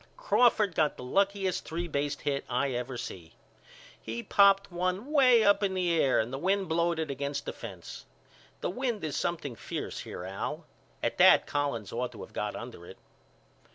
Crawford got the luckiest three base hit I ever see. He popped one way up in the air and the wind blowed it against the fence. The wind is something fierce here Al. At that Collins ought to of got under it.